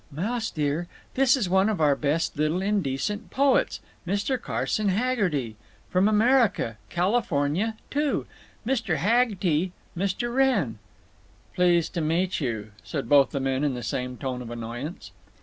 "Mouse dear, this is one of our best little indecent poets, Mr. Carson Haggerty. From America—California—too. Mr. Hag'ty, Mr. Wrenn." "Pleased meet you," said both men in the same tone of annoyance.